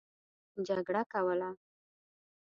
جګړه کوله.